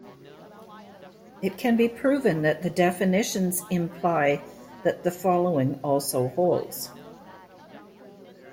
It can be proven that the definitions imply that the following also holds.